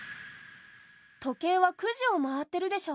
時計は９時を回ってるでしょ。